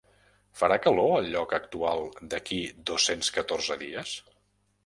Farà calor al lloc actual d'aquí dos-cents catorze dies?